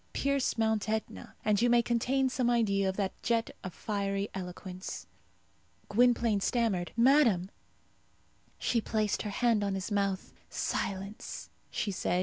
Pierce Mount Etna, and you may obtain some idea of that jet of fiery eloquence. Gwynplaine stammered, "Madame " She placed her hand on his mouth. "Silence," she said.